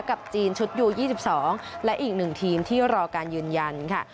กับจีนชุดยู๒๒และอีก๑ทีมที่รอการยืนยันค่ะ